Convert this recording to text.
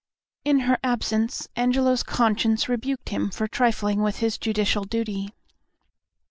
In her absence Angelo's conscience rebuked him for trifling with his judicial duty.